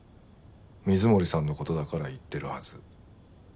水森さんの事だから行ってるはず。